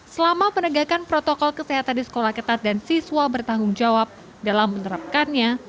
selama penegakan protokol kesehatan di sekolah ketat dan siswa bertanggung jawab dalam menerapkannya